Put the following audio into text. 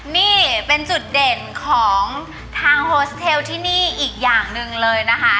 นี่เป็นจุดเด่นของทางโฮสเทลที่นี่อีกอย่างหนึ่งเลยนะคะ